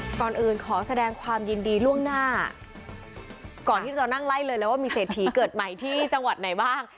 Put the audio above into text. ก่อนอื่นขอแสดงความยินดีล่วงหน้าก่อนที่จะนั่งไล่เลยแล้วว่ามีเศรษฐีเกิดใหม่ที่จังหวัดไหนบ้าง